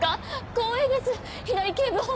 光栄です平井警部補！